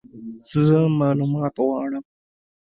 زه مالومات غواړم !